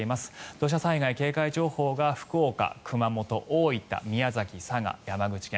土砂災害警戒情報が福岡、熊本、大分宮崎、佐賀、山口県。